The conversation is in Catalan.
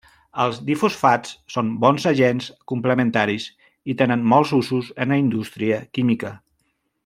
Els difosfats són bons agents complementaris i tenen molts usos en la indústria química.